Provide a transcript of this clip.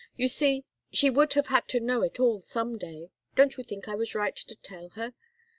You see, she would have had to know it all some day don't you think I was right to tell her?"